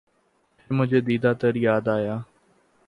پھر مجھے دیدہٴ تر یاد آیا